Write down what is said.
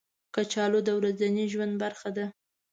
کچالو د ورځني ژوند برخه ده